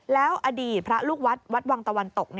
แล้วอดีตพระลูกวัดวัดวังตะวันตก